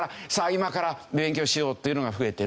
今から勉強しようっていうのが増えてると。